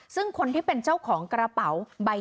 ซึ่งคนที่เป็นเจ้าของกระเป๋าใบ